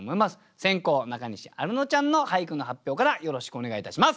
先攻中西アルノちゃんの俳句の発表からよろしくお願いいたします。